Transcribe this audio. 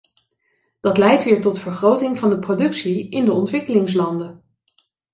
Dat leidt weer tot vergroting van de productie in de ontwikkelingslanden.